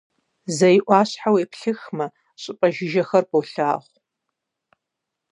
Зэй ӏуащхьэ уеплъыхмэ, щӏыпӏэ жыжьэхэр уолъагъу.